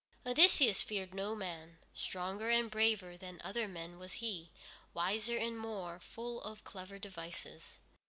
Odysseus feared no man. Stronger and braver than other men was he, wiser, and more full of clever devices.